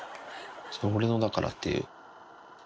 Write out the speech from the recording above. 「それ俺のだから」っていう。